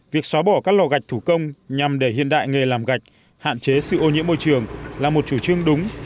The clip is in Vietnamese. việc xóa bỏ các lò gạch thủ công nhằm để hiện đại nghề làm gạch hạn chế sự ô nhiễm môi trường là một chủ trương đúng